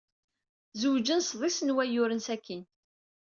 Zewǧen sḍis n wayyuren sakkin.